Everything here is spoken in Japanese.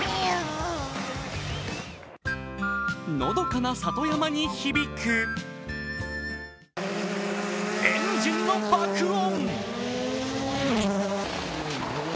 のどかな里山に響くエンジンの爆音。